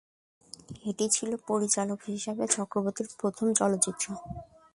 এটি ছিল পরিচালক হিসাবে চক্রবর্তীর প্রথম চলচ্চিত্র।